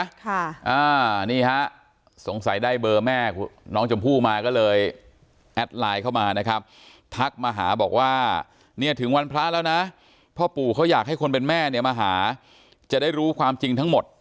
ค่ะอ่านี่ฮะสงสัยได้เบอร์แม่น้องชมพู่มาก็เลยแอดไลน์เข้ามานะครับทักมาหาบอกว่าเนี่ยถึงวันพระแล้วนะพ่อปู่เขาอยากให้คนเป็นแม่เนี่ยมาหาจะได้รู้ความจริงทั้งหมด